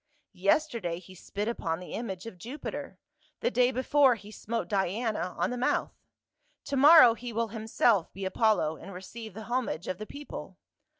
Yesterday he spit upon the image of Jupiter ; the day before he smote Diana on the mouth ; to morrow he will himself be Apollo and receive the homage of the people.